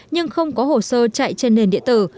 nhưng không có hồ sơ chạy trên nền điện tử